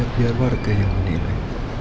biar warga yang menilai